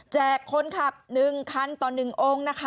แจกคนขับ๑คันต่อ๑องค์